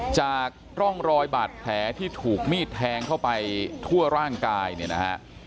จากร่องรอยบาดแผลที่ถูกมีดแทงเข้าไปทั่วร่างกายเนี่ยนะฮะ